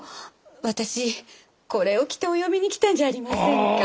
私これを着てお嫁に来たんじゃありませんか。